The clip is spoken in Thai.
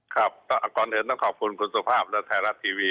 ครับก่อนอื่นต้องขอบคุณคุณสุภาพและไทยรัฐทีวี